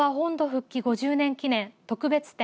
復帰５０年記念特別展